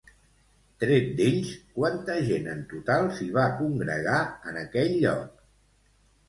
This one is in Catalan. Tret d'ells, quanta gent en total s'hi va congregar en aquell lloc?